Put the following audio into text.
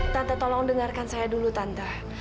tante tolong dengarkan saya dulu tante